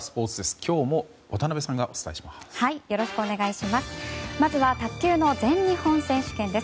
今日も渡辺さんがお伝えします。